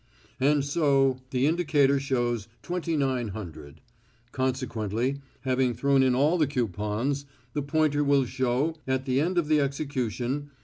"And so ... the indicator shows 2900. Consequently, having thrown in all the coupons, the pointer will show, at the end of the execution